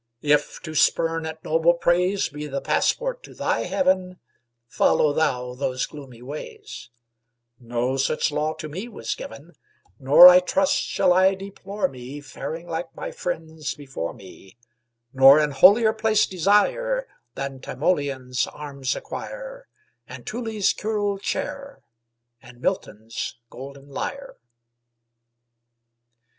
If to spurn at noble praise Be the passport to thy heaven, Follow thou those gloomy ways: No such law to me was given, Nor, I trust, shall I deplore me Faring like my friends before me; Nor an holier place desire Than Timoleon's arms acquire, And Tully's curule chair, and Milton's golden lyre.